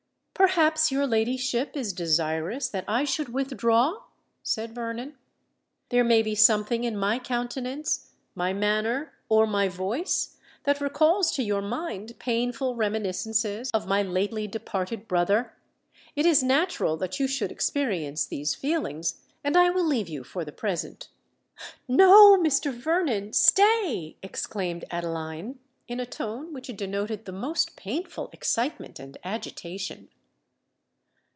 "Perhaps your ladyship is desirous that I should withdraw?" said Vernon. "There may be something in my countenance—my manner—or my voice that recalls to your mind painful reminiscences of my lately departed brother:—it is natural that you should experience these feelings;—and I will leave you for the present." "No, Mr. Vernon—stay!" exclaimed Adeline, in a tone which denoted the most painful excitement and agitation.